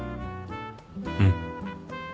うん。